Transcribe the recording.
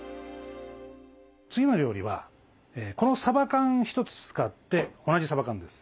次の料理はこのさば缶１つ使って同じさば缶です。